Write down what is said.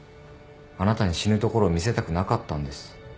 あなたに死ぬところを見せたくなかったんです。